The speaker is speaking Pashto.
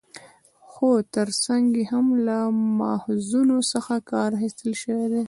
خو تر څنګ يې هم له ماخذونو څخه کار اخستل شوى دى